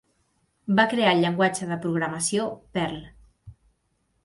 Va crear el llenguatge de programació Perl.